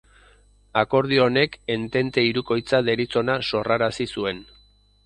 Akordio honek Entente Hirukoitza deritzona sorrarazi zuen.